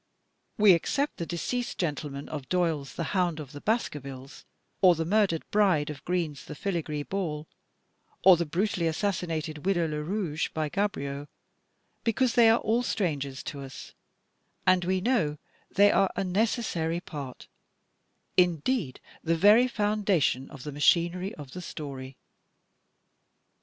We accept the deceased gentleman of Doyle's "The Hound of the Baskerviltes " or the murdered bride of Green's "The Filigree Ball" or the brutally assassinated "Widow Lerouge" by Gaboriau, because they are all strangers to us, and we know they are a necessary part, indeed, the very foundation of the machinery of the story.